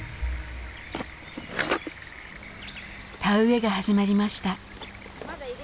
田植えが始まりました。